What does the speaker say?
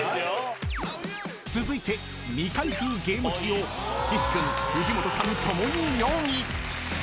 ［続いて未開封ゲーム機を岸君藤本さん共に４位］